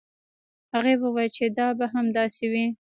هغې وویل چې دا به هم داسې وي.